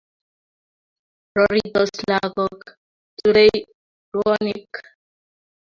Roritos lagok, turei ruonik